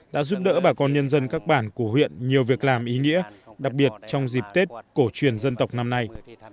đã giúp đỡ bà con nhân dân các bản của huyện nhiều việc làm ý nghĩa đặc biệt trong dịp tết cổ truyền dân tộc năm nay